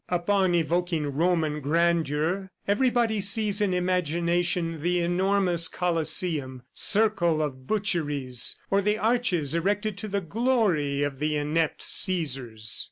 Upon evoking Roman grandeur, everybody sees in imagination the enormous Coliseum, circle of butcheries, or the arches erected to the glory of the inept Caesars.